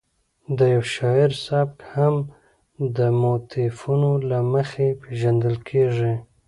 د یو شاعر سبک هم د موتیفونو له مخې پېژندل کېږي.